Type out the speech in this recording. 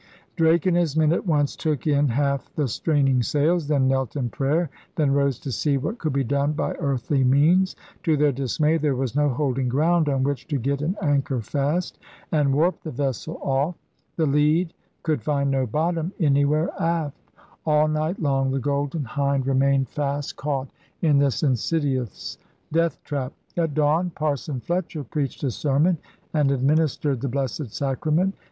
Drake and his men at once took in half the strain ing sails; then knelt in prayer; then rose to see what could be done by earthly means. To their dismay there was no holding ground on which to get an anchor fast and warp the vessel off. The lead could find no bottom anywhere aft. All night long the Golden Hind remained fast caught * ENXOMPASSMEXT OF ALL THE TVORLDE ' 143 in this insidious death trap. At dawn Parson Fletcher preached a sermon and administered the Blessed Sacrament.